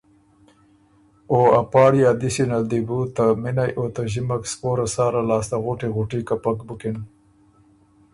ا پاړی ا دِستي نل دی بُو ته مِنئ او ته ݫِمک سپوره ساله لاسته غُټی غُټی کپک بُکِن